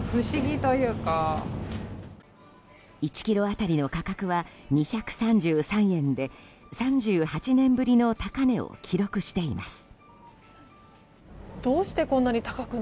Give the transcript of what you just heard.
１ｋｇ当たりの価格は２３３円で３８年ぶりの高値を記録しています。